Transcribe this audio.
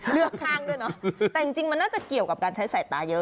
เลือกข้างด้วยเนอะแต่จริงมันน่าจะเกี่ยวกับการใช้สายตาเยอะ